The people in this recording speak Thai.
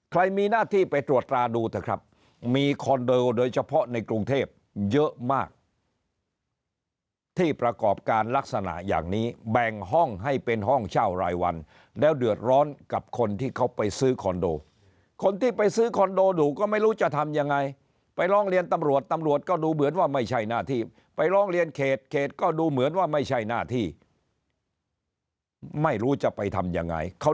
ใครมีหน้าที่ไปตรวจตราดูเถอะครับมีคอนโดโดยเฉพาะในกรุงเทพเยอะมากที่ประกอบการลักษณะอย่างนี้แบ่งห้องให้เป็นห้องเช่ารายวันแล้วเดือดร้อนกับคนที่เขาไปซื้อคอนโดคนที่ไปซื้อคอนโดดูก็ไม่รู้จะทำยังไงไปร้องเรียนตำรวจตำรวจก็ดูเหมือนว่าไม่ใช่หน้าที่ไปร้องเรียนเขตเขตก็ดูเหมือนว่าไม่ใช่หน้าที่ไม่รู้จะไปทำยังไงเขา